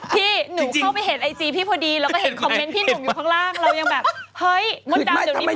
พี่หนูเข้าไปเห็นไอจีพี่พอดีเราก็เห็นคอมเมนต์พี่หนุ่มอยู่ข้างล่าง